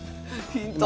ヒント。